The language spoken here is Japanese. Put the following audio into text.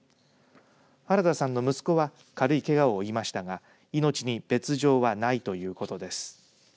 原田さんの息子は軽いけがを負いましたが命に別状はないということです。